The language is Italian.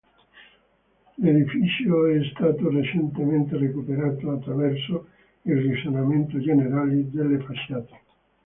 L'edificio è stato recentemente recuperato attraverso il risanamento generale delle facciate.